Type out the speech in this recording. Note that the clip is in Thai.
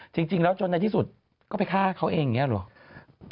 จริงแล้วจนในที่สุดก็ไปฆ่าเขาเองอย่างนี้เหรอ